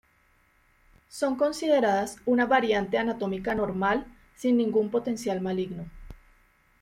Son consideradas una variante anatómica normal sin ningún potencial maligno.